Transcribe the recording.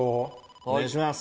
お願いします。